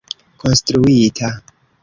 konstruita